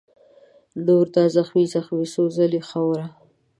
نور دا زخمې زخمي سوځلې خاوره